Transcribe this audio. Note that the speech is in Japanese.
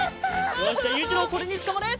よしじゃあゆういちろうこれにつかまれ！